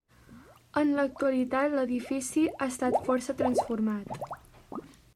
En l'actualitat, l'edifici ha estat força transformat.